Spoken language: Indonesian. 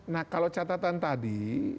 nah kalau catatan tadi